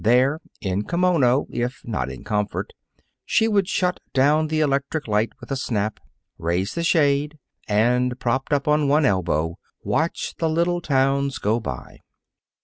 There, in kimono, if not in comfort, she would shut down the electric light with a snap, raise the shade, and, propped up on one elbow, watch the little towns go by.